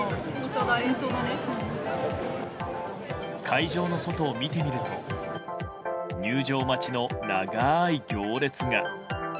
会場の外を見てみると入場待ちの長い行列が。